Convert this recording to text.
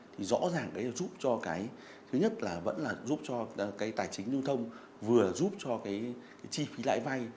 thì rõ ràng đấy là giúp cho cái thứ nhất là vẫn là giúp cho cái tài chính lưu thông vừa giúp cho cái chi phí lãi vay